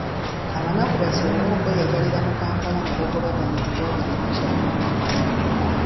Abanaku basobole okweyagalira mu Kampala mwebagobaganyizibwa buli lukya.